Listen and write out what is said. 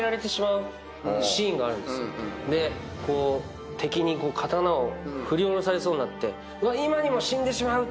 でこう敵に刀を振り下ろされそうになって今にも死んでしまう！